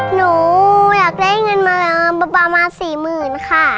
หนูอยากได้เงินมาประมาณ๔๐๐๐ค่ะ